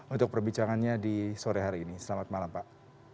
untuk perbicaraannya di sore hari ini selamat malam pak